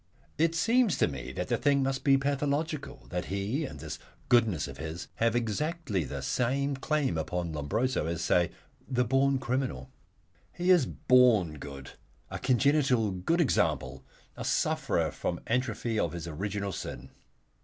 It seems to me that the thing must be pathological, that he and this goodness of his have exactly the same claim upon Lombroso, let us say, as the born criminal. He is born good, a congenital good example, a sufferer from atrophy of his original sin.